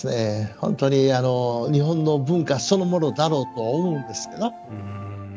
本当に日本の文化そのものだろうとは思うんですけど。